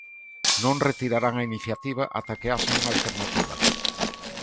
Non retirarán a iniciativa ata que haxa unha alternativa.